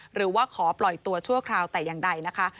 หรือว่าขอปล่อยตัวชั่วคราวแต่อย่างใดนะคะ